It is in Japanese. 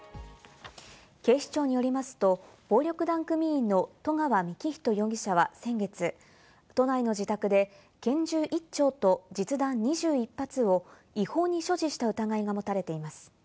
警視庁によりますと、暴力団組員の十川幹仁容疑者は先月、都内の自宅で拳銃１丁と実弾２１発を違法に所持した疑いが持たれています。